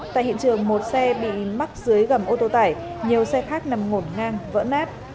tại hiện trường một xe bị mắc dưới gầm ô tô tải nhiều xe khác nằm ngổn ngang vỡ nát